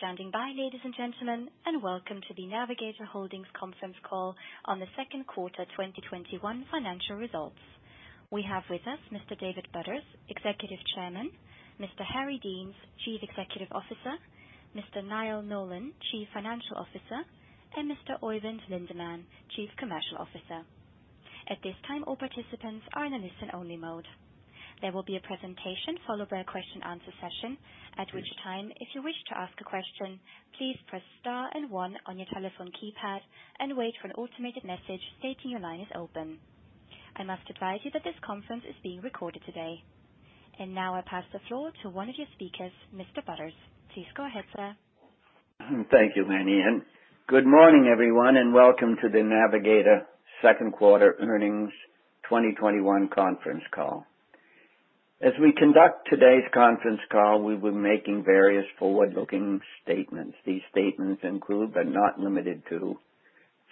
Thank you for standing by, ladies and gentlemen, and welcome to the Navigator Holdings conference call on the second quarter 2021 financial results. We have with us Mr. David Butters, Executive Chairman, Mr. Harry Deans, Chief Executive Officer, Mr. Niall Nolan, Chief Financial Officer, and Mr. Øyvind Lindeman, Chief Commercial Officer. At this time all participants are on listen-only mode. There will be a presentation followed by a question and answer session at which time if you would like to ask a question, please press star and one on your telephone keypad and wait for an automated message stating your line is open. I must advice that this conference is being recorded today. Now I pass the floor to one of your speakers, Mr. Butters. Please go ahead, sir. Thank you, Manny. Good morning, everyone, and welcome to the Navigator Second Quarter Earnings 2021 Conference Call. As we conduct today's conference call, we'll be making various forward-looking statements. These statements include, but not limited to,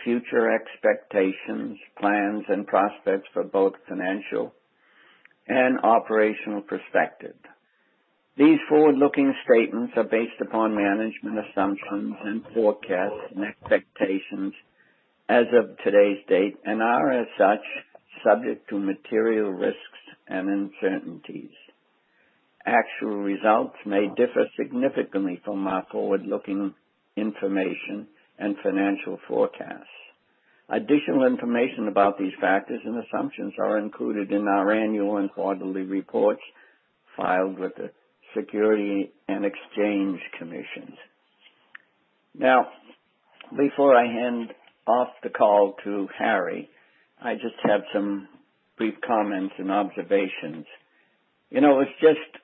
future expectations, plans, and prospects for both financial and operational perspective. These forward-looking statements are based upon management assumptions and forecasts and expectations as of today's date and are, as such, subject to material risks and uncertainties. Actual results may differ significantly from our forward-looking information and financial forecasts. Additional information about these factors and assumptions are included in our annual and quarterly reports filed with the Securities and Exchange Commission. Now, before I hand off the call to Harry, I just have some brief comments and observations. It was just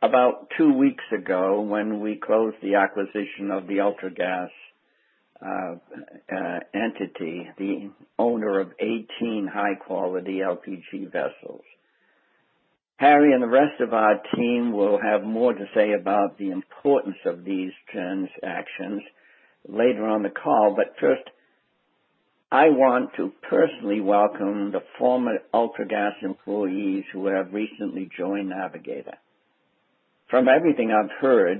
about two weeks ago when we closed the acquisition of the Ultragas entity, the owner of 18 high-quality LPG vessels. Harry and the rest of our team will have more to say about the importance of these transactions later on the call. First, I want to personally welcome the former Ultragas employees who have recently joined Navigator. From everything I've heard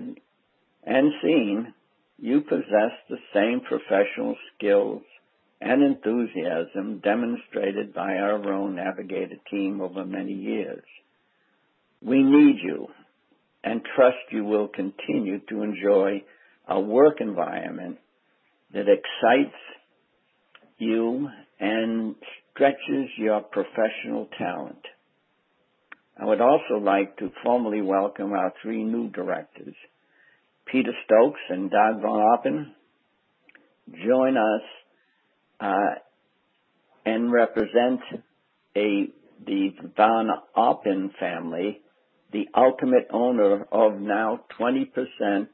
and seen, you possess the same professional skills and enthusiasm demonstrated by our own Navigator team over many years. We need you and trust you will continue to enjoy a work environment that excites you and stretches your professional talent. I would also like to formally welcome our three new directors. Peter Stokes and Dag von Appen join us and represent the von Appen family, the ultimate owner of now 28%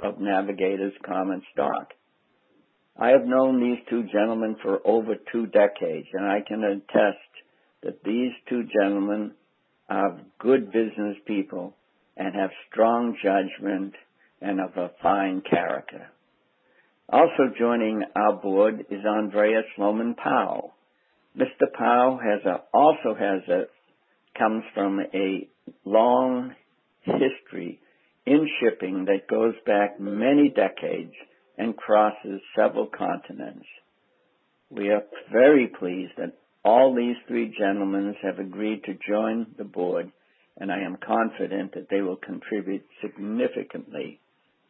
of Navigator's common stock. I have known these two gentlemen for over two decades, and I can attest that these two gentlemen are good business people and have strong judgment and of a fine character. Also joining our board is Andreas Sohmen-Pao. Mr. Pao also comes from a long history in shipping that goes back many decades and crosses several continents. We are very pleased that all these three gentlemen have agreed to join the board, and I am confident that they will contribute significantly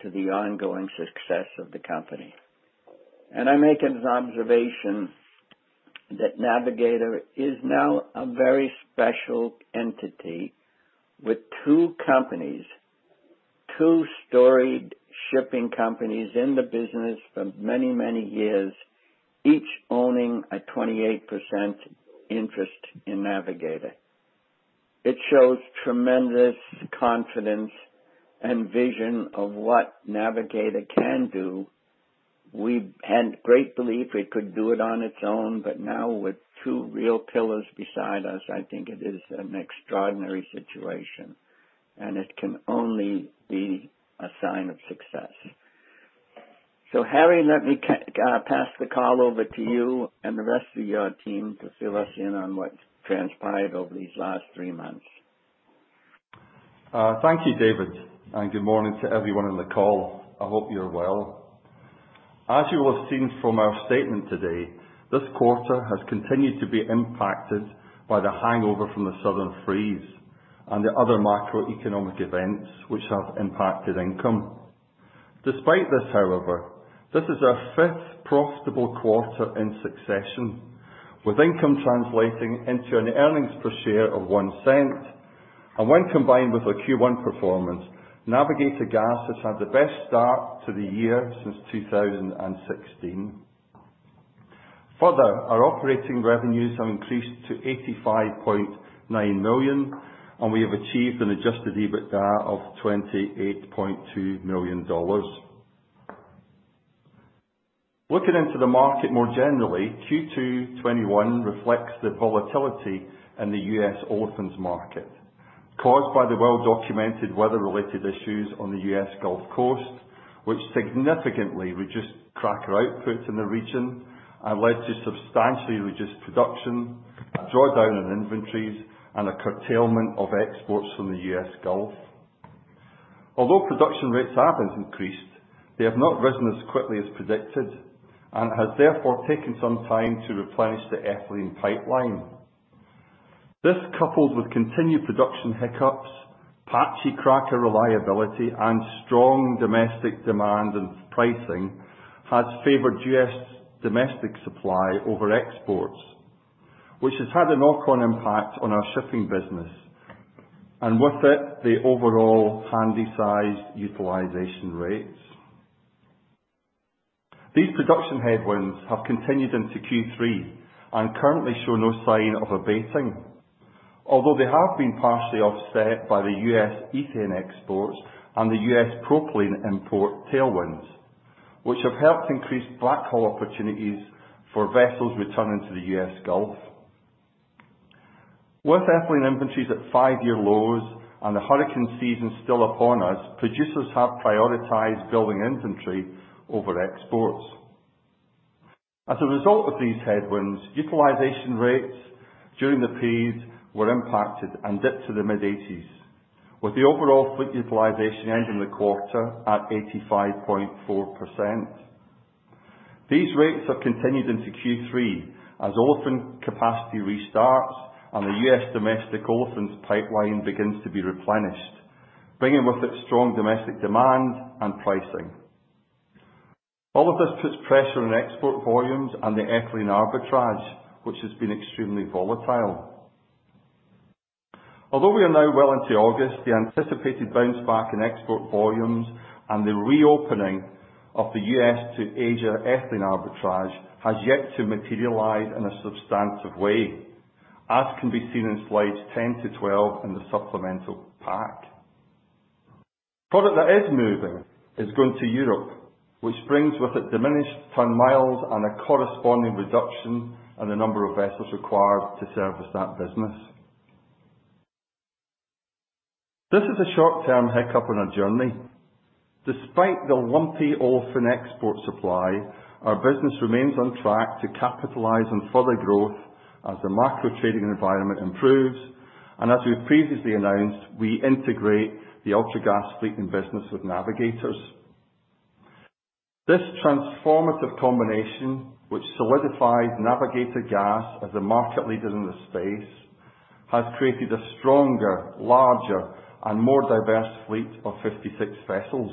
to the ongoing success of the company. I make an observation that Navigator is now a very special entity with two companies, two storied shipping companies in the business for many, many years, each owning a 28% interest in Navigator. It shows tremendous confidence and vision of what Navigator can do. We had great belief it could do it on its own, but now with two real pillars beside us, I think it is an extraordinary situation and it can only be a sign of success. Harry, let me pass the call over to you and the rest of your team to fill us in on what's transpired over these last three months. Thank you, David. Good morning to everyone on the call. I hope you are well. As you will have seen from our statement today, this quarter has continued to be impacted by the hangover from the southern freeze and the other macroeconomic events which have impacted income. Despite this, however, this is our fifth profitable quarter in succession, with income translating into an earnings per share of $0.01. When combined with our Q1 performance, Navigator Gas has had the best start to the year since 2016. Further, our operating revenues have increased to $85.9 million, and we have achieved an Adjusted EBITDA of $28.2 million. Looking into the market more generally, Q2 2021 reflects the volatility in the U.S. Olefins market caused by the well-documented weather-related issues on the U.S. Gulf Coast, which significantly reduced cracker output in the region and led to substantially reduced production, a drawdown in inventories, and a curtailment of exports from the U.S. Gulf. Although production rates have since increased, they have not risen as quickly as predicted, and have therefore taken some time to replenish the ethylene pipeline. This, coupled with continued production hiccups, patchy cracker reliability, and strong domestic demand and pricing, has favored U.S. domestic supply over exports, which has had a knock-on impact on our shipping business, and with it, the overall handysize utilization rates. These production headwinds have continued into Q3 and currently show no sign of abating, although they have been partially offset by the U.S. ethane exports and the U.S. propylene import tailwinds, which have helped increase backhaul opportunities for vessels returning to the U.S. Gulf. With ethylene inventories at five-year lows and the hurricane season still upon us, producers have prioritized building inventory over exports. As a result of these headwinds, utilization rates during the period were impacted and dipped to the mid-80s, with the overall fleet utilization ending the quarter at 85.4%. These rates have continued into Q3 as olefin capacity restarts and the U.S. domestic olefins pipeline begins to be replenished, bringing with it strong domestic demand and pricing. All of this puts pressure on export volumes and the ethylene arbitrage, which has been extremely volatile. Although we are now well into August, the anticipated bounce back in export volumes and the reopening of the U.S. to Asia ethylene arbitrage has yet to materialize in a substantive way, as can be seen in slides 10-12 in the supplemental pack. Product that is moving is going to Europe, which brings with it diminished ton miles and a corresponding reduction in the number of vessels required to service that business. This is a short-term hiccup on our journey. Despite the lumpy olefin export supply, our business remains on track to capitalize on further growth as the macro trading environment improves, and as we've previously announced, we integrate the Ultragas fleet and business with Navigator. This transformative combination, which solidifies Navigator Gas as a market leader in this space, has created a stronger, larger, and more diverse fleet of 56 vessels,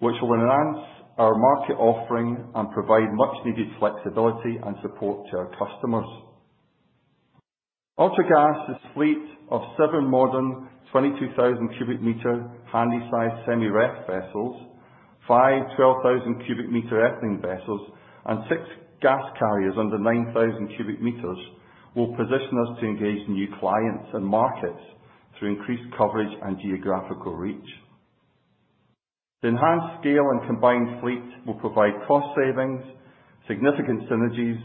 which will enhance our market offering and provide much needed flexibility and support to our customers. Ultragas's fleet of seven modern 22,000 cubic meter handysize semi-ref vessels, five 12,000 cubic meter ethylene vessels, and six gas carriers under 9,000 cubic meters will position us to engage new clients and markets through increased coverage and geographical reach. The enhanced scale and combined fleet will provide cost savings, significant synergies,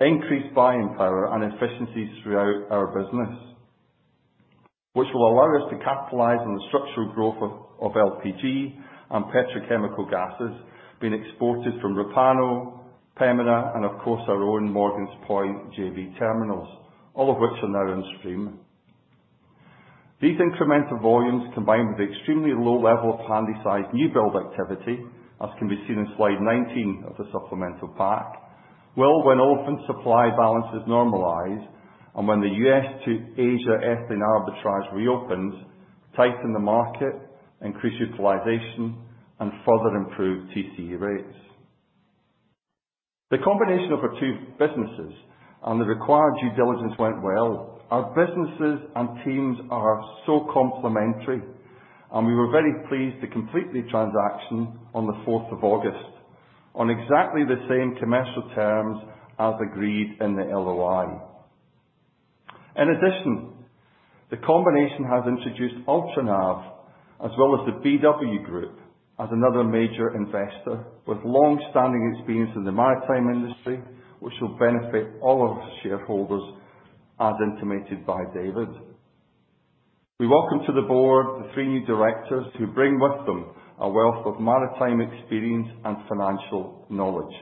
increased buying power, and efficiencies throughout our business, which will allow us to capitalize on the structural growth of LPG and petrochemical gases being exported from Repauno, Pembina, and of course, our own Morgan's Point JV terminals, all of which are now in stream. These incremental volumes, combined with extremely low level of handysize new build activity, as can be seen in slide 19 of the supplemental pack, will, when often supply balances normalize and when the U.S. to Asia ethylene arbitrage reopens, tighten the market, increase utilization, and further improve TCE rates. The combination of our two businesses and the required due diligence went well. Our businesses and teams are so complementary, and we were very pleased to complete the transaction on the 4th of August on exactly the same commercial terms as agreed in the LOI. In addition, the combination has introduced Ultranav, as well as the BW Group as another major investor with long-standing experience in the maritime industry, which will benefit all of our shareholders, as intimated by David. We welcome to the board the three new directors who bring with them a wealth of maritime experience and financial knowledge.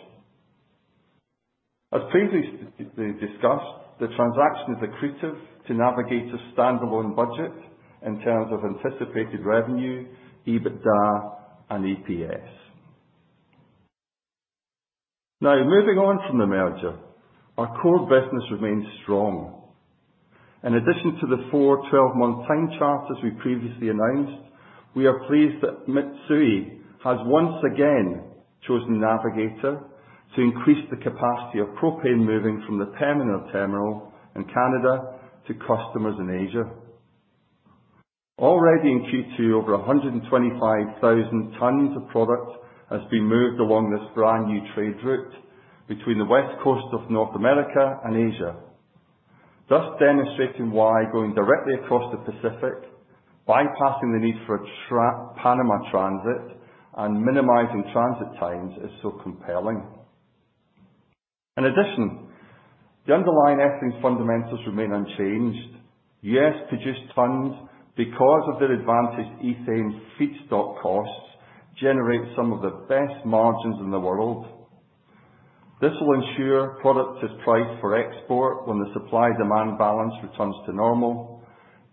As previously discussed, the transaction is accretive to Navigator's standalone budget in terms of anticipated revenue, EBITDA, and EPS. Now, moving on from the merger, our core business remains strong. In addition to the four, 12-month time charters we previously announced, we are pleased that Mitsui has once again chosen Navigator to increase the capacity of propane moving from the terminal in Canada to customers in Asia. Already in Q2, over 125,000 tons of product has been moved along this brand new trade route between the West Coast of North America and Asia, thus demonstrating why going directly across the Pacific, bypassing the need for a Panama transit, and minimizing transit times is so compelling. In addition, the underlying ethylene fundamentals remain unchanged. U.S. produced tons because of their advantaged ethane feedstock costs generate some of the best margins in the world. This will ensure product is priced for export when the supply-demand balance returns to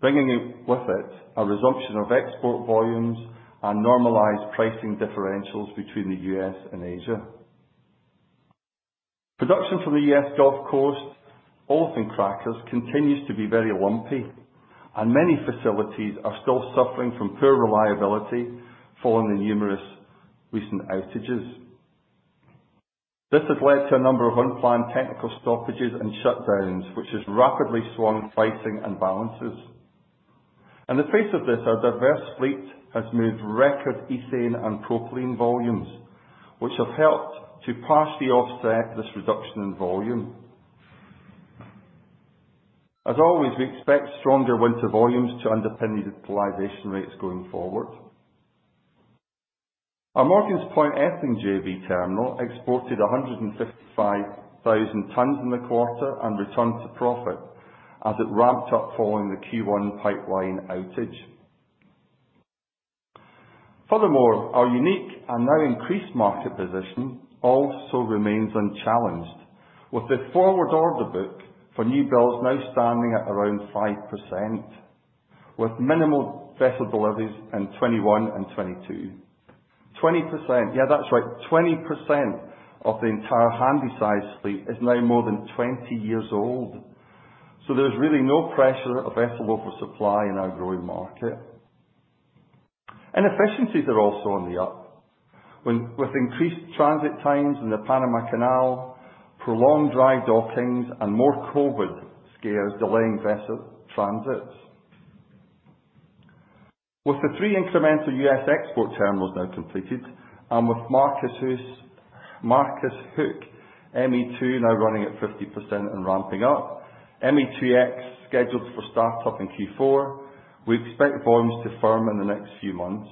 normal, bringing with it a resumption of export volumes and normalized pricing differentials between the U.S. and Asia. Production from the U.S. Gulf Coast olefin crackers continues to be very lumpy and many facilities are still suffering from poor reliability following the numerous recent outages. This has led to a number of unplanned technical stoppages and shutdowns, which has rapidly swung pricing and balances. In the face of this, our diverse fleet has moved record ethane and propylene volumes, which have helped to partially offset this reduction in volume. As always, we expect stronger winter volumes to underpin utilization rates going forward. Our Morgan's Point ethylene JV terminal exported 155,000 tonnes in the quarter and returned to profit as it ramped up following the Q1 pipeline outage. Furthermore, our unique and now increased market position also remains unchallenged with the forward order book for new builds now standing at around 5%, with minimal vessel deliveries in 2021 and 2022. 20%, yeah, that's right, 20% of the entire handysize fleet is now more than 20 years old. There's really no pressure of vessel oversupply in our growing market. Inefficiencies are also on the up with increased transit times in the Panama Canal, prolonged dry dockings and more COVID scares delaying vessel transits. With the three incremental U.S. export terminals now completed and with Marcus Hook ME2 now running at 50% and ramping up, ME3X scheduled for startup in Q4, we expect volumes to firm in the next few months.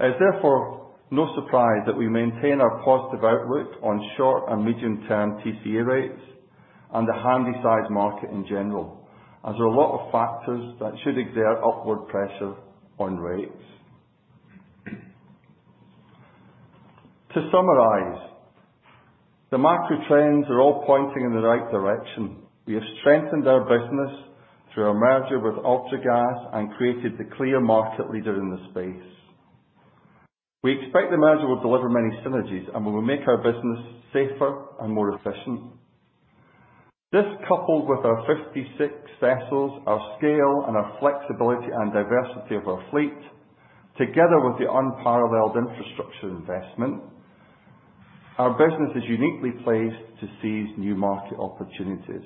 It is therefore no surprise that we maintain our positive outlook on short and medium-term TCE rates and the handysize market in general, as there are a lot of factors that should exert upward pressure on rates. To summarize, the macro trends are all pointing in the right direction. We have strengthened our business through our merger with Ultragas and created the clear market leader in this space. We expect the merger will deliver many synergies and will make our business safer and more efficient. This, coupled with our 56 vessels, our scale, and our flexibility and diversity of our fleet, together with the unparalleled infrastructure investment, our business is uniquely placed to seize new market opportunities.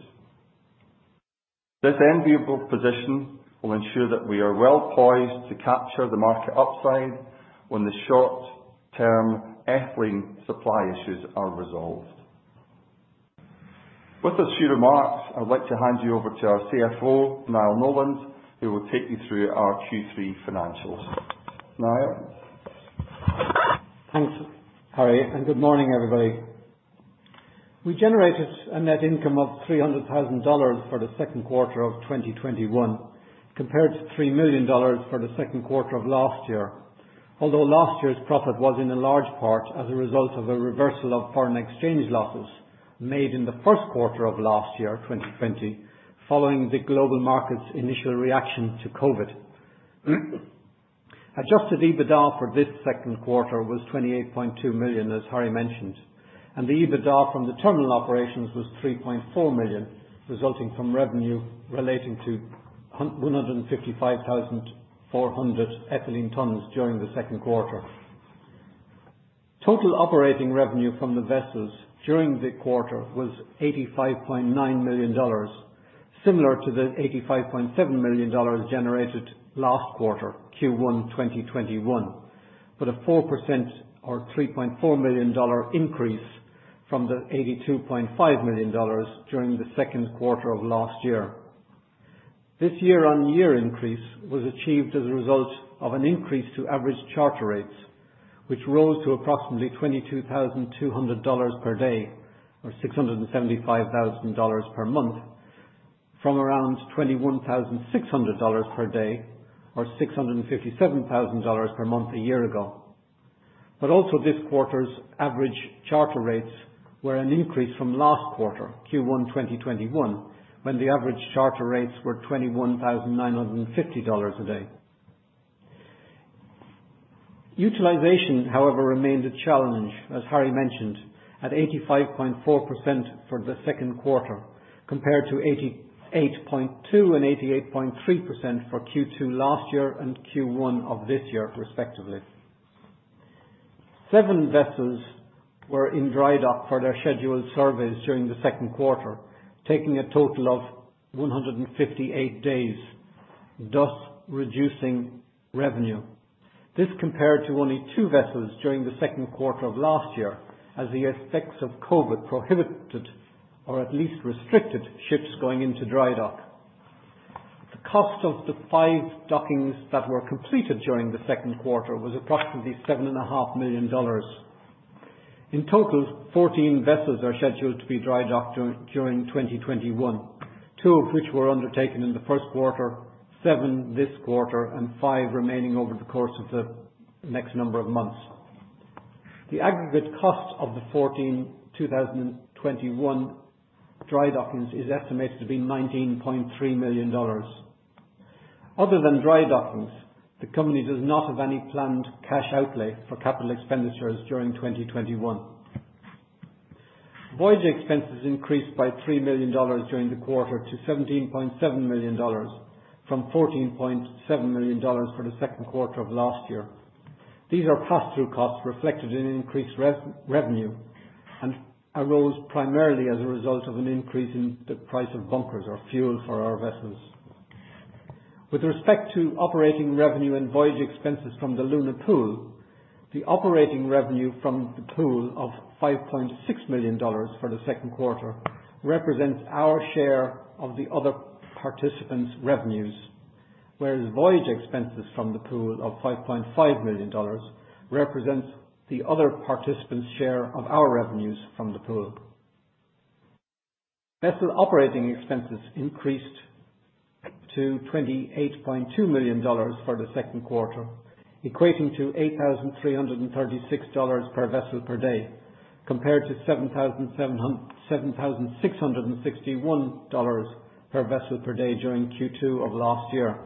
This enviable position will ensure that we are well-poised to capture the market upside when the short-term ethylene supply issues are resolved. With those few remarks, I'd like to hand you over to our CFO, Niall Nolan, who will take you through our Q3 financials. Niall? Thanks, Harry, and good morning, everybody. We generated a net income of $300,000 for the second quarter of 2021, compared to $3 million for the second quarter of last year. Although last year's profit was in large part as a result of a reversal of foreign exchange losses made in the first quarter of last year, 2020, following the global market's initial reaction to COVID. Adjusted EBITDA for this second quarter was $28.2 million, as Harry mentioned, and the EBITDA from the terminal operations was $3.4 million, resulting from revenue relating to 155,400 ethylene tonnes during the second quarter. Total operating revenue from the vessels during the quarter was $85.9 million, similar to the $85.7 million generated last quarter, Q1 2021, but a 4% or $3.4 million increase from the $82.5 million during the second quarter of last year. This year-on-year increase was achieved as a result of an increase to average charter rates, which rose to approximately $22,200 per day or $675,000 per month from around $21,600 per day or $657,000 per month a year ago. Also this quarter's average charter rates were an increase from last quarter, Q1 2021, when the average charter rates were $21,950 a day. Utilization, however, remained a challenge, as Harry mentioned, at 85.4% for the second quarter, compared to 88.2% and 88.3% for Q2 last year and Q1 of this year, respectively. Seven vessels were in dry dock for their scheduled surveys during the second quarter, taking a total of 158 days, thus reducing revenue. This compared to only two vessels during the second quarter of last year as the effects of COVID prohibited or at least restricted ships going into dry dock. The cost of the five dockings that were completed during the second quarter was approximately $7.5 million. In total, 14 vessels are scheduled to be dry docked during 2021. Two of which were undertaken in the first quarter, seven this quarter, and five remaining over the course of the next number of months. The aggregate cost of the 14 dry dockings is estimated to be $19.3 million. Other than dry dockings, the company does not have any planned cash outlay for capital expenditures during 2021. Voyage expenses increased by $3 million during the quarter to $17.7 million from $14.7 million for the second quarter of last year. These are pass-through costs reflected in increased revenue, and arose primarily as a result of an increase in the price of bunkers or fuel for our vessels. With respect to operating revenue and voyage expenses from the Luna Pool, the operating revenue from the pool of $5.6 million for the second quarter represents our share of the other participants' revenues. Whereas voyage expenses from the pool of $5.5 million represents the other participants' share of our revenues from the pool. Vessel operating expenses increased to $28.2 million for the second quarter, equating to $8,336 per vessel per day, compared to $7,661 per vessel per day during Q2 of last year.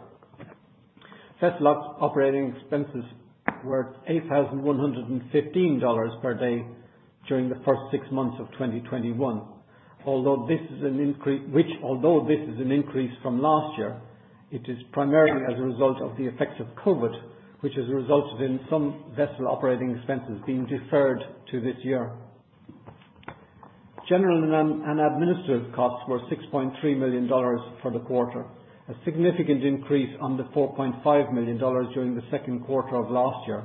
Vessel operating expenses were $8,115 per day during the first six months of 2021. Although this is an increase from last year, it is primarily as a result of the effects of COVID, which has resulted in some vessel operating expenses being deferred to this year. General and administrative costs were $6.3 million for the quarter, a significant increase on the $4.5 million during the second quarter of last year.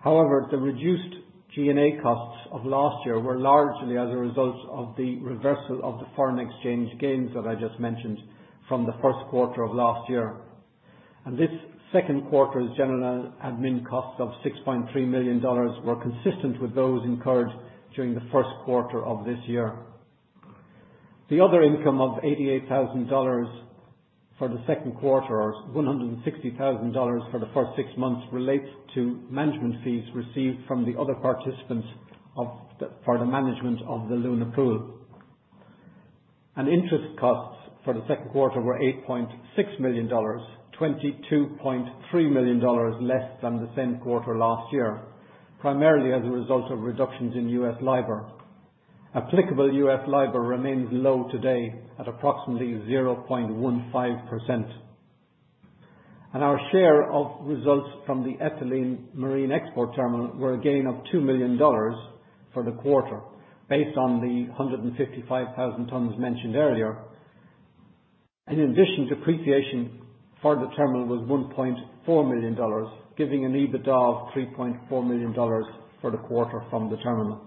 However, the reduced G&A costs of last year were largely as a result of the reversal of the foreign exchange gains that I just mentioned from the first quarter of last year. This second quarter's general admin costs of $6.3 million were consistent with those incurred during the first quarter of this year. The other income of $88,000 for the second quarter, or $160,000 for the first six months, relates to management fees received from the other participants for the management of the Luna Pool. Interest costs for the second quarter were $8.6 million, $22.3 million less than the same quarter last year, primarily as a result of reductions in U.S. LIBOR. Applicable U.S. LIBOR remains low today at approximately 0.15%. Our share of results from the Ethylene Marine Export Terminal were a gain of $2 million for the quarter, based on the 155,000 tons mentioned earlier. In addition, depreciation for the terminal was $1.4 million, giving an EBITDA of $3.4 million for the quarter from the terminal.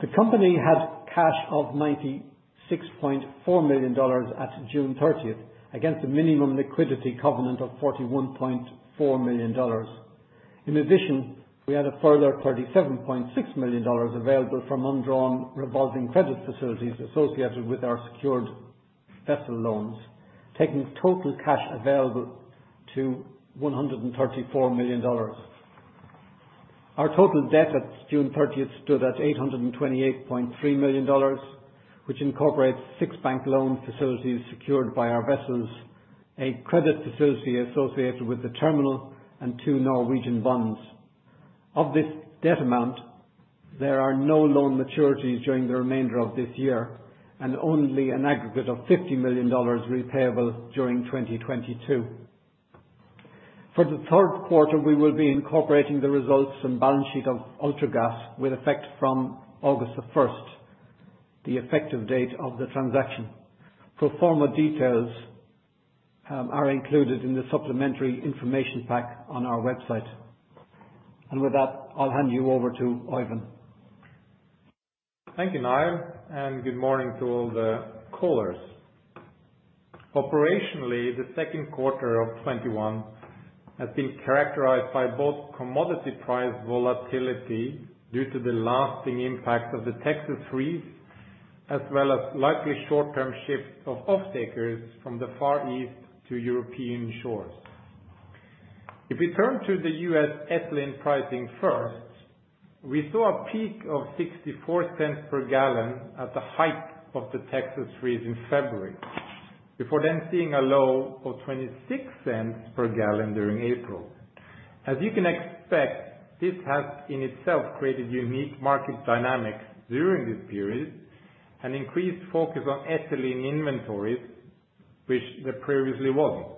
The company had cash of $96.4 million at June 30th, against a minimum liquidity covenant of $41.4 million. In addition, we had a further $37.6 million available from undrawn revolving credit facilities associated with our secured vessel loans, taking total cash available to $134 million. Our total debt at June 30th stood at $828.3 million, which incorporates six bank loan facilities secured by our vessels, a credit facility associated with the terminal, and two Norwegian bonds. Of this debt amount, there are no loan maturities during the remainder of this year, and only an aggregate of $50 million repayable during 2022. For the third quarter, we will be incorporating the results and balance sheet of Ultragas with effect from August 1st, the effective date of the transaction. Pro forma details are included in the supplementary information pack on our website. With that, I'll hand you over to Øyvind. Thank you, Niall, and good morning to all the callers. Operationally, the second quarter of 2021 has been characterized by both commodity price volatility due to the lasting impact of the Texas freeze, as well as likely short-term shifts of off-takers from the Far East to European shores. If we turn to the U.S. ethylene pricing first, we saw a peak of $0.64 per gallon at the height of the Texas freeze in February. Before then seeing a low of $0.26 per gallon during April. As you can expect, this has in itself created unique market dynamics during this period, an increased focus on ethylene inventories, which there previously wasn't,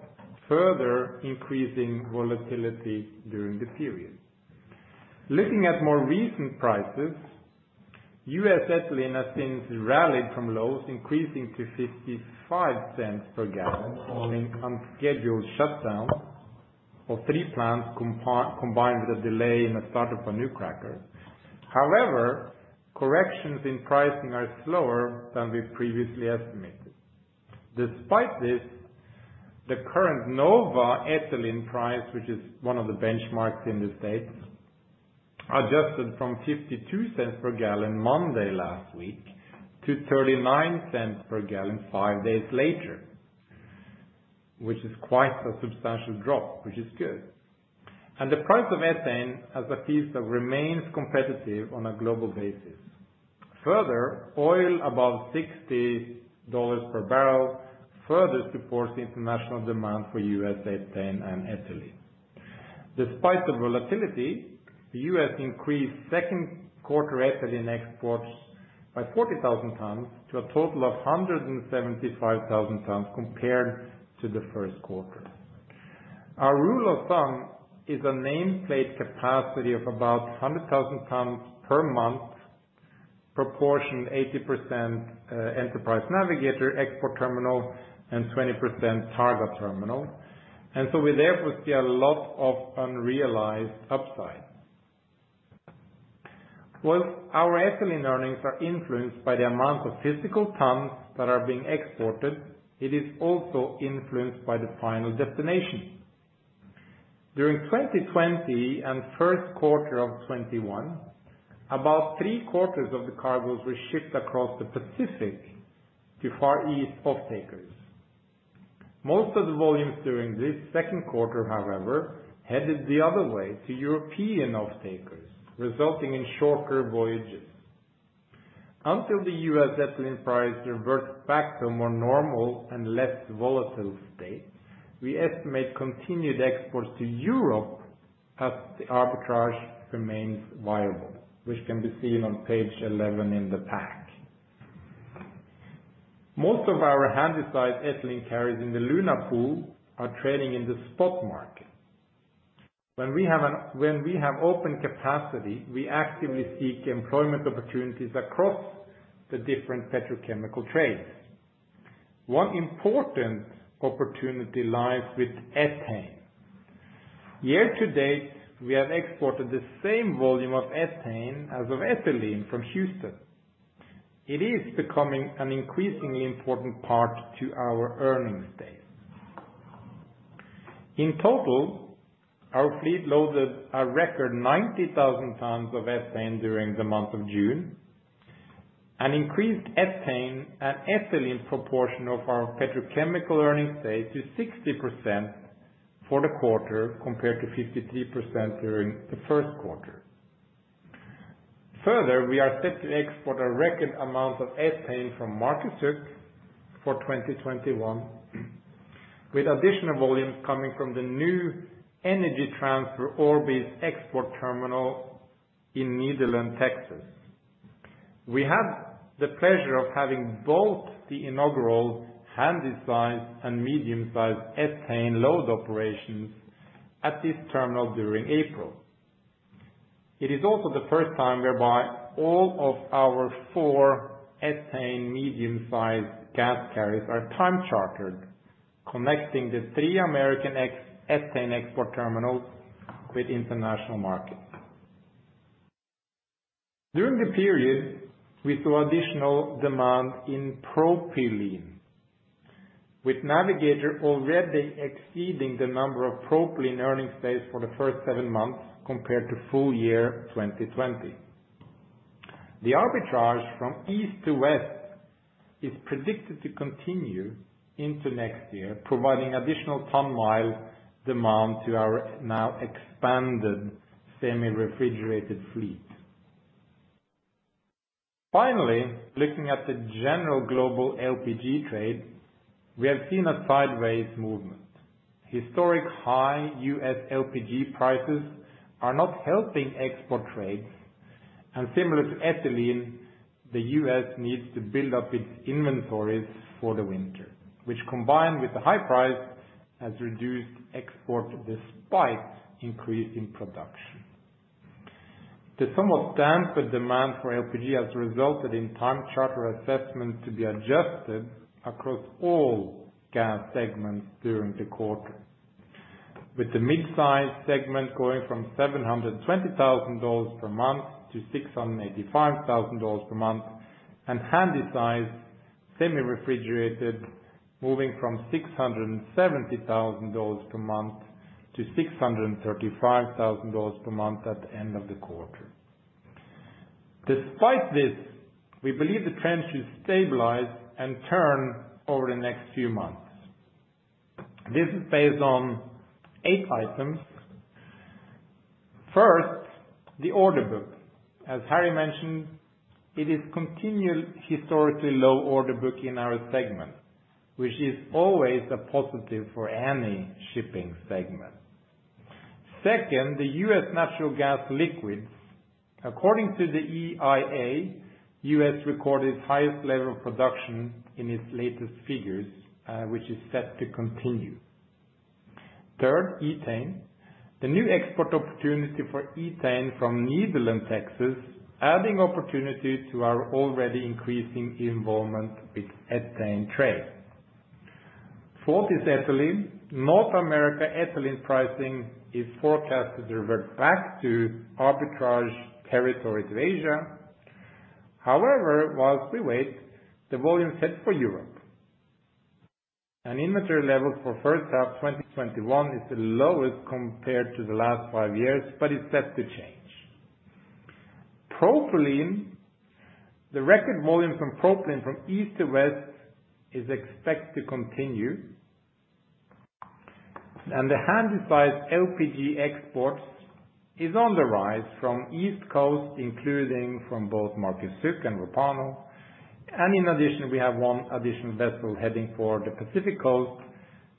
further increasing volatility during the period. Looking at more recent prices, U.S. ethylene has since rallied from lows, increasing to $0.55 per gallon following unscheduled shutdowns of three plants combined with a delay in the startup of a new cracker. However, corrections in pricing are slower than we previously estimated. Despite this, the current NOVA ethylene price, which is one of the benchmarks in the U.S., adjusted from $0.52 per gallon Monday last week to $0.39 per gallon five days later, which is quite a substantial drop, which is good. The price of ethane as a feedstock remains competitive on a global basis. Further, oil above $60 per barrel further supports international demand for U.S. ethane and ethylene. Despite the volatility, the U.S. increased second quarter ethylene exports by 40,000 tonnes to a total of 175,000 tonnes compared to the first quarter. Our rule of thumb is a nameplate capacity of about 100,000 tonnes per month, proportion 80% Enterprise Navigator export terminal and 20% Targa terminal. We therefore see a lot of unrealized upside. While our ethylene earnings are influenced by the amount of physical tonnes that are being exported, it is also influenced by the final destination. During 2020 and first quarter of 2021, about three quarters of the cargoes were shipped across the Pacific to Far East off-takers. Most of the volumes during this second quarter, however, headed the other way to European off-takers, resulting in shorter voyages. Until the U.S. ethylene price reverts back to a more normal and less volatile state, we estimate continued exports to Europe as the arbitrage remains viable, which can be seen on page 11 in the pack. Most of our handysize ethylene carriers in the Luna Pool are trading in the spot market. When we have open capacity, we actively seek employment opportunities across the different petrochemical trades. One important opportunity lies with ethane. Year to date, we have exported the same volume of ethane as of ethylene from Houston. It is becoming an increasingly important part to our earnings base. In total, our fleet loaded a record 90,000 tonnes of ethane during the month of June. An increased ethane and ethylene proportion of our petrochemical earnings base to 60% for the quarter, compared to 53% during the first quarter. Further, we are set to export a record amount of ethane from Marcus Hook for 2021, with additional volumes coming from the new Energy Transfer Orbit Gulf Coast NGL Exports terminal in Nederland, Texas. We had the pleasure of having both the inaugural handysize and medium-sized ethane load operations at this terminal during April. It is also the first time whereby all of our four ethane medium-sized gas carriers are time chartered, connecting the three American ethane export terminals with international markets. During the period, we saw additional demand in propylene, with Navigator already exceeding the number of propylene earnings days for the first seven months compared to full year 2020. The arbitrage from East to West is predicted to continue into next year, providing additional ton mile demand to our now expanded semi-refrigerated fleet. Finally, looking at the general global LPG trade, we have seen a sideways movement. Historic high U.S. LPG prices are not helping export trades, and similar to ethylene, the U.S. needs to build up its inventories for the winter, which combined with the high price, has reduced export despite increase in production. The somewhat dampened demand for LPG has resulted in time charter assessments to be adjusted across all gas segments during the quarter. With the mid-size segment going from $720,000 per month to $685,000 per month, and handysize semi-refrigerated moving from $670,000 per month to $635,000 per month at the end of the quarter. Despite this, we believe the trend should stabilize and turn over the next few months. This is based on eight items. First, the order book. As Harry mentioned, it is continual historically low order book in our segment, which is always a positive for any shipping segment. Second, the U.S. natural gas liquids. According to the EIA, U.S. recorded highest level of production in its latest figures, which is set to continue. Third, ethane. The new export opportunity for ethane from Nederland, Texas, adding opportunities to our already increasing involvement with ethane trade. Fourth is ethylene. North America ethylene pricing is forecasted to revert back to arbitrage territories of Asia. However, whilst we wait, the volume set for Europe. Inventory levels for first half 2021 is the lowest compared to the last five years, but it's set to change. Propylene. The record volume from propylene from east to west is expected to continue. The handysize LPG exports is on the rise from East Coast, including from both Marcus Hook and Repauno, and in addition, we have one additional vessel heading for the Pacific Coast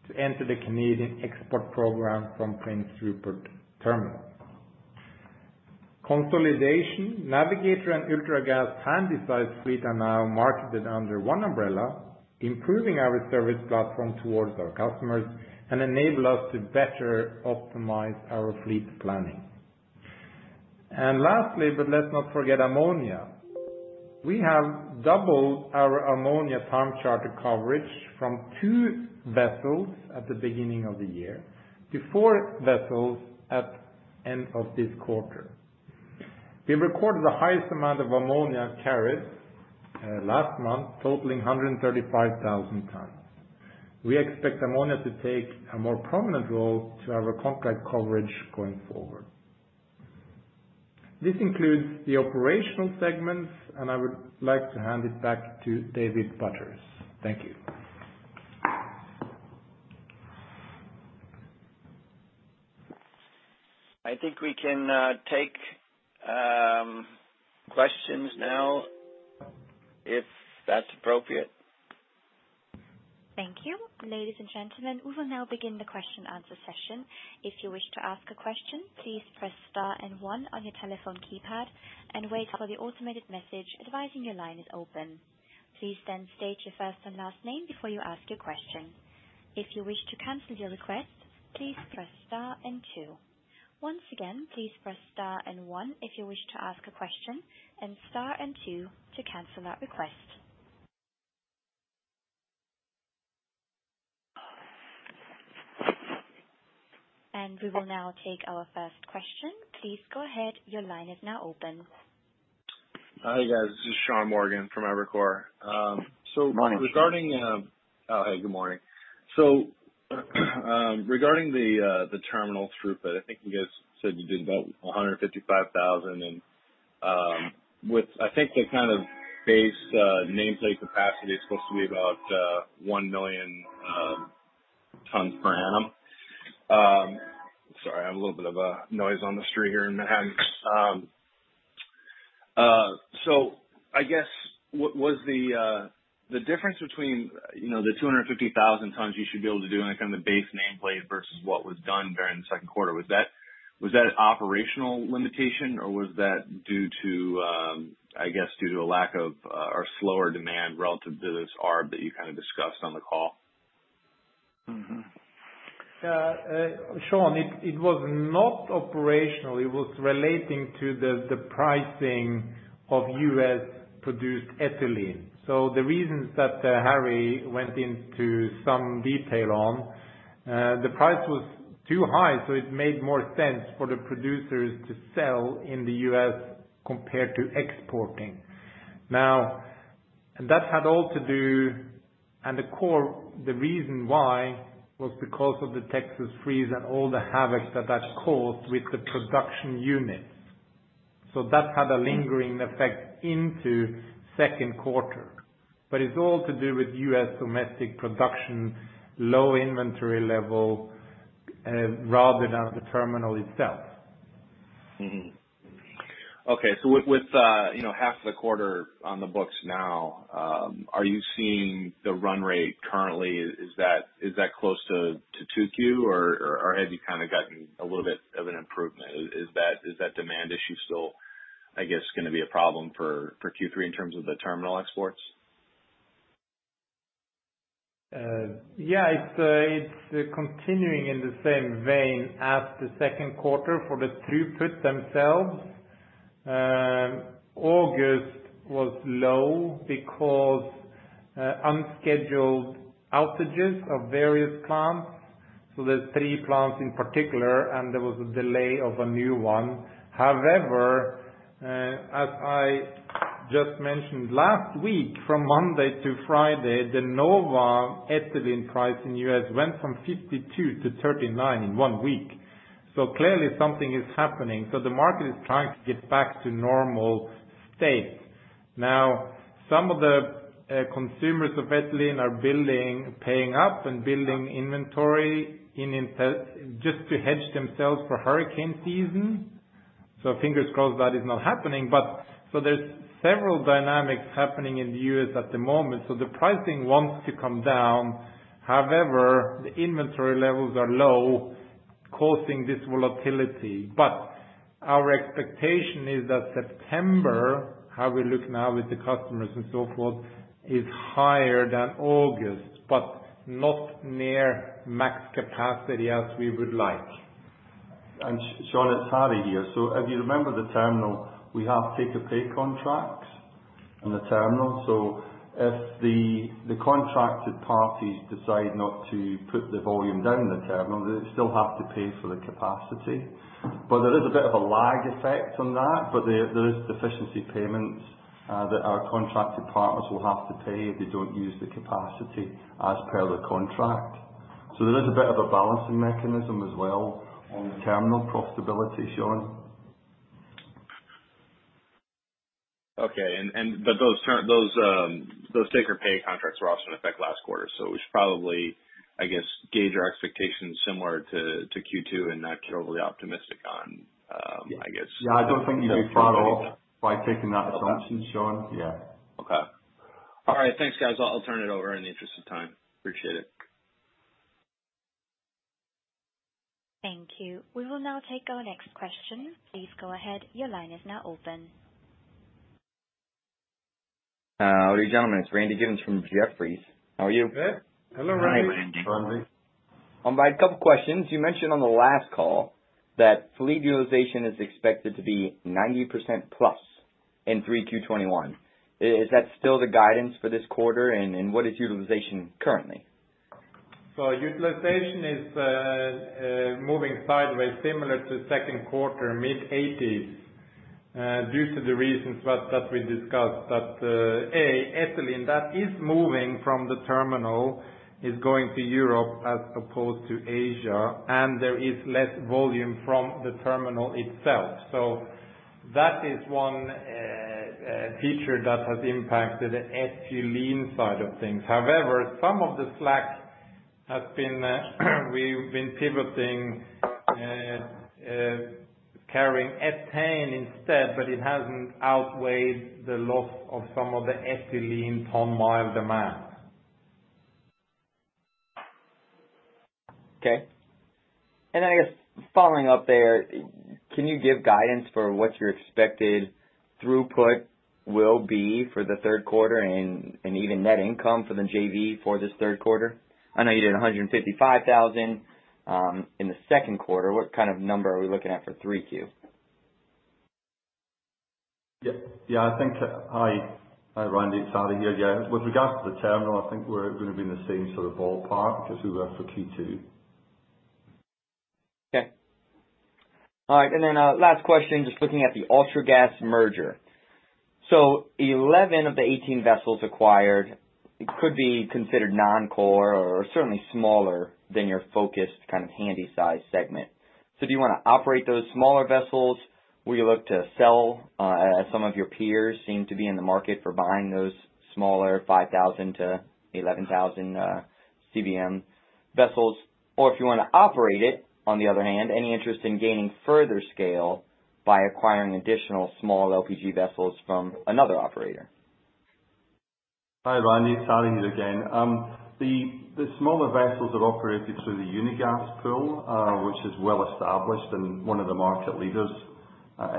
to enter the Canadian export program from Prince Rupert Terminal. Consolidation. Navigator and Ultragas handysize fleet are now marketed under one umbrella, improving our service platform towards our customers and enable us to better optimize our fleet planning. Lastly, but let's not forget ammonia. We have doubled our ammonia time charter coverage from two vessels at the beginning of the year to four vessels at end of this quarter. We recorded the highest amount of ammonia carried last month, totaling 135,000 tons. We expect ammonia to take a more prominent role to our contract coverage going forward. This concludes the operational segments, and I would like to hand it back to David Butters. Thank you. I think we can take questions now if that's appropriate. Thank you. Ladies and gentlemen, we will now begin the question and answer session. If you wish to ask a question, please press star and one on your telephone keypad and wait for the automated message advising your line is open. Please then state your first and last name before you ask your question. If you wish to cancel your request, please press star and two. Once again, please press star and one if you wish to ask a question and star and two to cancel that request. And we will now take our first question. Please go ahead. Your line is now open. Hi, guys. This is Sean Morgan from Evercore. Morning. Oh, hey, good morning. Regarding the terminal throughput, I think you guys said you did about 155,000, and I think the kind of base nameplate capacity is supposed to be about 1 million tons per annum. Sorry, I have a little bit of a noise on the street here in Manhattan. I guess, what was the difference between the 250,000 tons you should be able to do on the base nameplate versus what was done during the second quarter? Was that an operational limitation or was that due to a lack of or slower demand relative to this arb that you kind of discussed on the call? Sean, it was not operational. It was relating to the pricing of U.S.-produced ethylene. The reasons that Harry went into some detail on, the price was too high, so it made more sense for the producers to sell in the U.S. compared to exporting. That had all to do and the reason why was because of the Texas freeze and all the havoc that that caused with the production units. That had a lingering effect into second quarter. It's all to do with U.S. domestic production, low inventory level, rather than the terminal itself. Okay. With half the quarter on the books now, are you seeing the run rate currently? Is that close to 2Q or have you kind of gotten a little bit of an improvement? Is that demand issue still, I guess, going to be a problem for Q3 in terms of the terminal exports? Yeah, it's continuing in the same vein as the second quarter for the throughput themselves. August was low because unscheduled outages of various plants. There's three plants in particular, and there was a delay of a new one. However, as I just mentioned, last week, from Monday to Friday, the NOVA ethylene price in U.S. went from 52-39 in one week. Clearly something is happening. The market is trying to get back to normal state. Now, some of the consumers of ethylene are paying up and building inventory just to hedge themselves for hurricane season. Fingers crossed that is not happening. There's several dynamics happening in the U.S. at the moment. The pricing wants to come down, however, the inventory levels are low, causing this volatility. Our expectation is that September, how we look now with the customers and so forth, is higher than August, but not near max capacity as we would like. Sean, it's Harry here. If you remember the terminal, we have take-or-pay contracts on the terminal. If the contracted parties decide not to put the volume down the terminal, they still have to pay for the capacity. There is a bit of a lag effect on that. There is deficiency payments that our contracted partners will have to pay if they don't use the capacity as per the contract. There is a bit of a balancing mechanism as well on terminal profitability, Sean. Okay. Those take-or-pay contracts were also in effect last quarter. We should probably, I guess, gauge our expectations similar to Q2 and not get overly optimistic on. Yeah, I don't think you'd be far off by taking that assumption, Sean. Yeah. Okay. All right. Thanks, guys. I'll turn it over in the interest of time. Appreciate it. Thank you. We will now take our next question. Please go ahead. Your line is now open. Howdy, gentlemen. It's Randy Giveans from Jefferies. How are you? Good. Hello, Randy. Hi, Randy. I have a couple questions. You mentioned on the last call that fleet utilization is expected to be 90%+ in 3Q21. Is that still the guidance for this quarter? What is utilization currently? Utilization is moving sideways similar to second quarter, mid-80s, due to the reasons that we discussed. That, A, ethylene that is moving from the terminal is going to Europe as opposed to Asia, and there is less volume from the terminal itself. That is one feature that has impacted the ethylene side of things. However, some of the slack, we've been pivoting, carrying ethane instead, but it hasn't outweighed the loss of some of the ethylene ton mile demand. Okay. I guess following up there, can you give guidance for what your expected throughput will be for the third quarter and even net income for the JV for this third quarter? I know you did 155,000, in the second quarter. What kind of number are we looking at for 3Q? Yeah. Hi, Randy Giveans. It's Harry Deans here. Yeah, with regards to the terminal, I think we're going to be in the same sort of ballpark as we were for Q2. Okay. All right, last question, just looking at the Ultragas merger. 11 of the 18 vessels acquired could be considered non-core or certainly smaller than your focused kind of handysize segment. Do you want to operate those smaller vessels? Will you look to sell, as some of your peers seem to be in the market for buying those smaller 5,000-11,000 CBM vessels? If you want to operate it, on the other hand, any interest in gaining further scale by acquiring additional small LPG vessels from another operator? Hi, Randy. It's Harry here again. The smaller vessels are operated through the Unigas pool, which is well established and one of the market leaders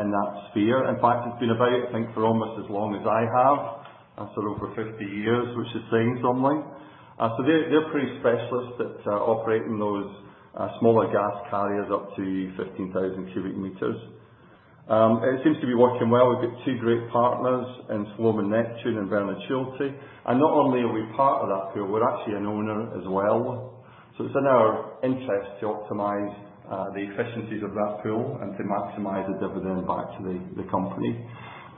in that sphere. In fact, it's been about, I think, for almost as long as I have, and over 50 years, which says something. They're pretty specialist at operating those smaller gas carriers up to 15,000 CBM. It seems to be working well. We've got two great partners in Solvang and Bernhard Schulte. Not only are we part of that pool, we're actually an owner as well. It's in our interest to optimize the efficiencies of that pool and to maximize the dividend back to the company.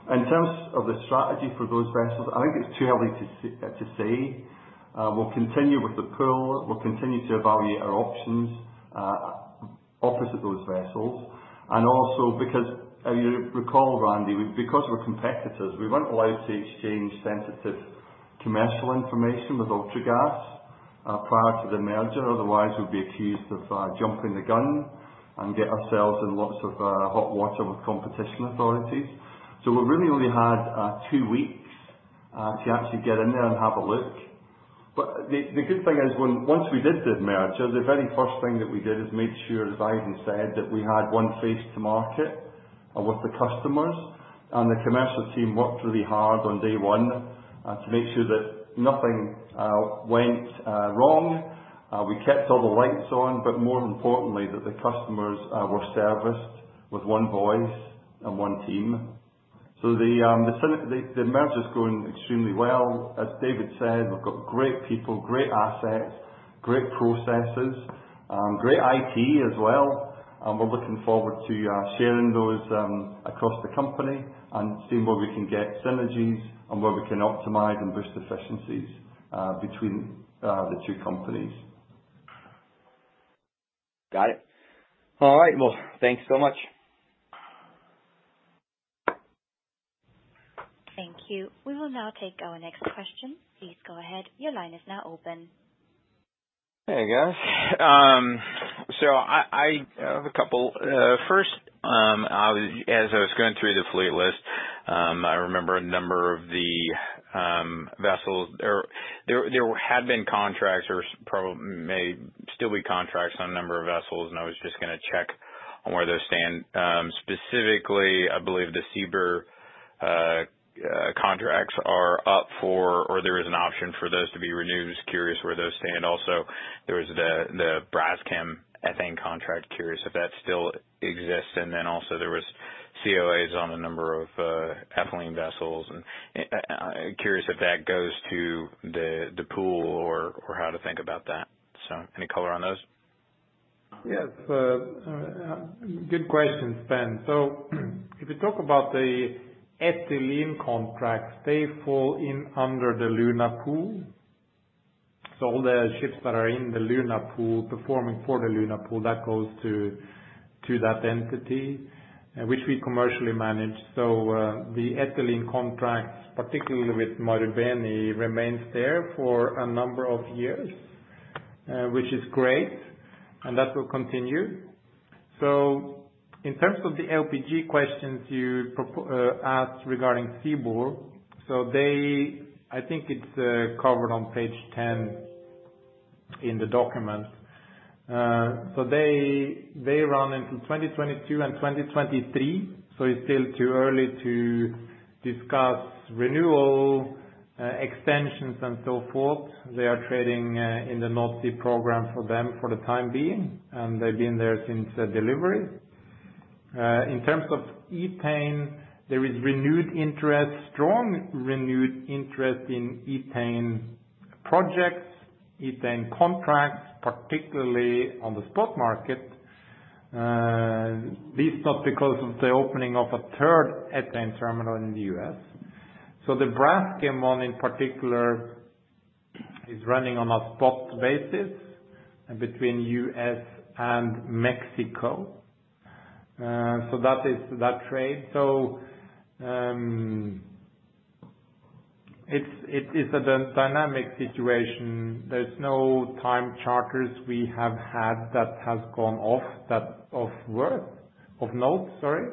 In terms of the strategy for those vessels, I think it's too early to say. We'll continue with the pool. We'll continue to evaluate our options opposite those vessels. Also because you recall, Randy, because we're competitors, we weren't allowed to exchange sensitive commercial information with Ultragas prior to the merger. Otherwise, we'd be accused of jumping the gun and get ourselves in lots of hot water with competition authorities. We really only had two weeks to actually get in there and have a look. The good thing is once we did the merger, the very first thing that we did is made sure, as Øyvind said, that we had one face to market with the customers. The commercial team worked really hard on day one, to make sure that nothing went wrong. We kept all the lights on, but more importantly, that the customers were serviced with one voice and one team. The merger is going extremely well. As David said, we've got great people, great assets, great processes, great IT as well, and we're looking forward to sharing those across the company and seeing where we can get synergies and where we can optimize and boost efficiencies between the two companies. Got it. All right, well, thanks so much. Thank you. We will now take our next question. Please go ahead. Your line is now open. Hey, guys. I have a couple. First, as I was going through the fleet list, I remember a number of the vessels. There had been contracts or may still be contracts on a number of vessels, and I was just going to check on where those stand. Specifically, I believe the Sibur contracts are up for, or there is an option for those to be renewed. Just curious where those stand. Also, there was the Braskem ethane contract. Curious if that still exists. Then also there was COAs on a number of ethylene vessels and curious if that goes to the pool or how to think about that. Any color on those? Yes. Good question, Ben. If you talk about the ethylene contracts, they fall in under the Luna Pool. All the ships that are in the Luna Pool, performing for the Luna Pool, that goes to that entity, which we commercially manage. The ethylene contracts, particularly with Marubeni, remains there for a number of years, which is great, and that will continue. In terms of the LPG questions you asked regarding Seabourn, I think it's covered on page 10 in the document. They run until 2022 and 2023, so it's still too early to discuss renewal, extensions, and so forth. They are trading in the North Sea program for them for the time being, and they've been there since delivery. In terms of ethane, there is renewed interest, strong renewed interest in ethane projects, ethane contracts, particularly on the spot market. This not because of the opening of a third ethane terminal in the U.S. The Braskem one in particular is running on a spot basis between U.S. and Mexico. That is that trade. It is at a dynamic situation. There's no time charters we have had that has gone of note, sorry.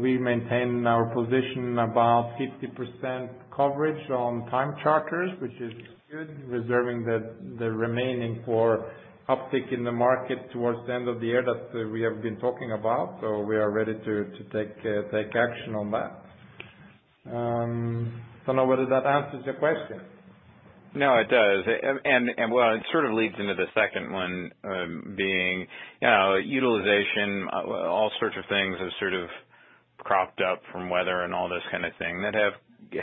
We maintain our position above 50% coverage on time charters, which is good, reserving the remaining for uptick in the market towards the end of the year that we have been talking about. We are ready to take action on that. I don't know whether that answers your question. No, it does. Well, it sort of leads into the second one, being utilization, all sorts of things have sort of cropped up from weather and all this kind of thing that have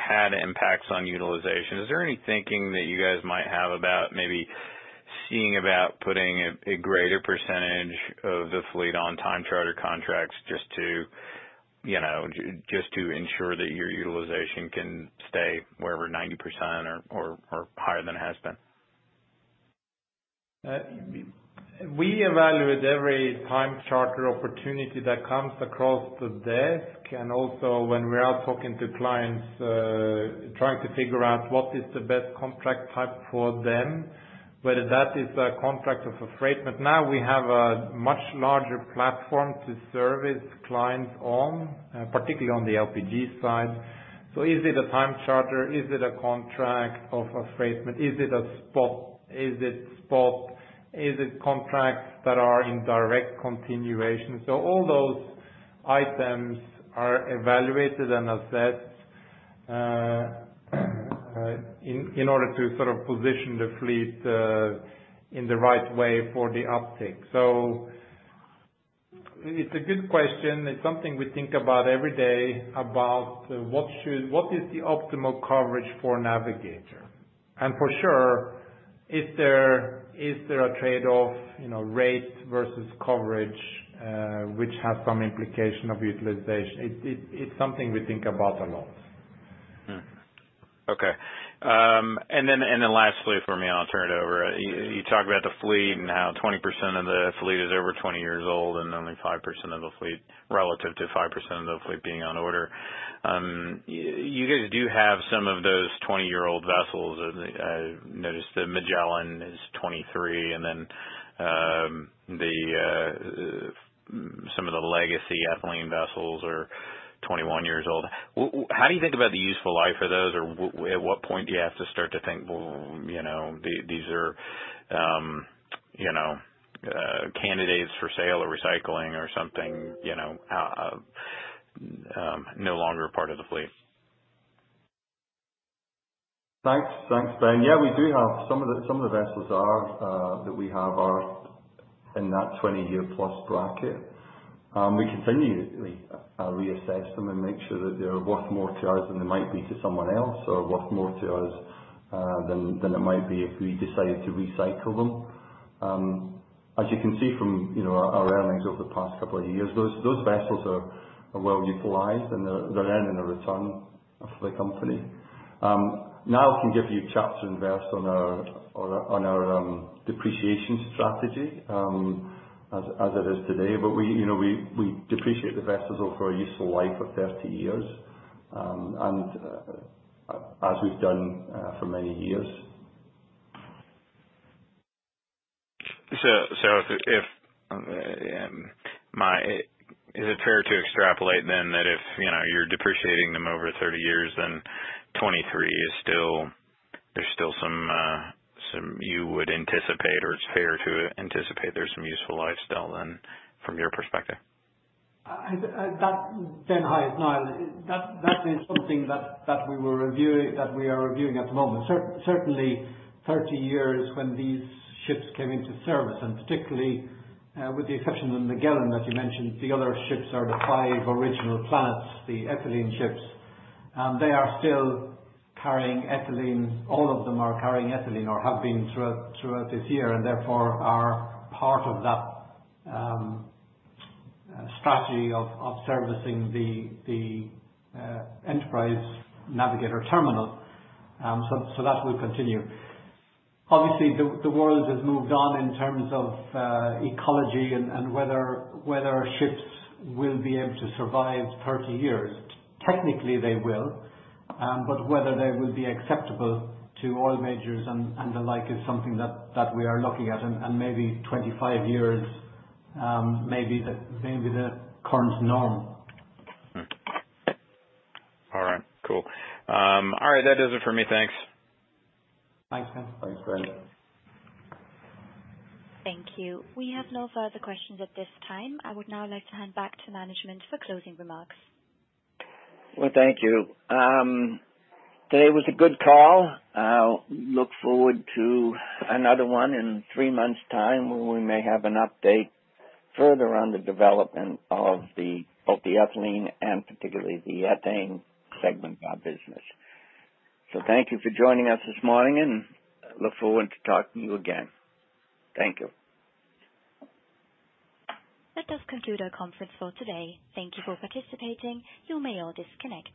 had impacts on utilization. Is there any thinking that you guys might have about maybe seeing about putting a greater percentage of the fleet on time charter contracts just to ensure that your utilization can stay wherever, 90% or higher than it has been? We evaluate every time charter opportunity that comes across the desk, and also when we are talking to clients, trying to figure out what is the best contract type for them, whether that is a contract of a freight. Now we have a much larger platform to service clients on, particularly on the LPG side. Is it a time charter? Is it a contract of a freight? Is it a spot? Is it spot? Is it contracts that are in direct continuation? All those items are evaluated and assessed in order to sort of position the fleet in the right way for the uptick. It's a good question. It's something we think about every day about what is the optimal coverage for Navigator. For sure, is there a trade-off rate versus coverage, which has some implication of utilization? It's something we think about a lot. Okay. Lastly for me, I'll turn it over. You talk about the fleet and how 20% of the fleet is over 20 years old, relative to 5% of the fleet being on order. You guys do have some of those 20-year-old vessels. I noticed the Magellan is 23, some of the legacy ethylene vessels are 21 years old. How do you think about the useful life of those? At what point do you have to start to think, well, these are candidates for sale or recycling or something, no longer a part of the fleet? Thanks. Thanks, Ben. Yeah, we do have. Some of the vessels that we have are in that 20-year plus bracket. We continuously reassess them and make sure that they're worth more to us than they might be to someone else or worth more to us than it might be if we decide to recycle them. As you can see from our earnings over the past couple of years, those vessels are well utilized, and they're earning a return for the company. Niall can give you chapter and verse on our depreciation strategy as it is today. We depreciate the vessels over a useful life of 30 years, and as we've done for many years. Is it fair to extrapolate that if you're depreciating them over 30 years, 2023, there's still some you would anticipate or it's fair to anticipate there's some useful life still from your perspective? That, Ben, hi, it's Niall. That is something that we are reviewing at the moment. Certainly 30 years when these ships came into service, and particularly, with the exception of the Magellan that you mentioned, the other ships are the five original planets, the ethylene ships. They are still carrying ethylene. All of them are carrying ethylene or have been throughout this year, and therefore are part of that strategy of servicing the Enterprise Navigator terminal. That will continue. Obviously, the world has moved on in terms of ecology and whether ships will be able to survive 30 years. Technically they will, but whether they will be acceptable to oil majors and the like is something that we are looking at. Maybe 25 years may be the current norm. All right, cool. All right, that does it for me. Thanks. Thanks. Thanks, Ben. Thank you. We have no further questions at this time. I would now like to hand back to management for closing remarks. Well, thank you. Today was a good call. I'll look forward to another one in three months' time when we may have an update further on the development of both the ethylene and particularly the ethane segment of our business. Thank you for joining us this morning, and I look forward to talking to you again. Thank you. That does conclude our conference for today. Thank you for participating. You may all disconnect.